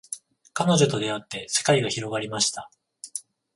彼女と出会って世界が広がりました